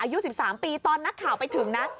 อายุ๑๓ปีตอนนักข่าวไปถึงนะ